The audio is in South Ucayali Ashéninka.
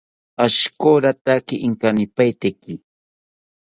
Ashikorotake inkanipaiteki